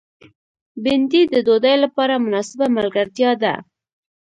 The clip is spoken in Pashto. بېنډۍ د ډوډۍ لپاره مناسبه ملګرتیا ده